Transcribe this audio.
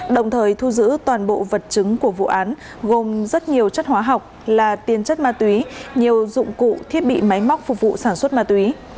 đồng thời thu giữ toàn bộ vật chứng của vụ án gồm rất nhiều chất hóa học là tiền chất ma túy nhiều dụng cụ thiết bị máy móc phục vụ sản xuất ma túy